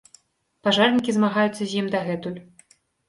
Пажарнікі змагаюцца з ім дагэтуль.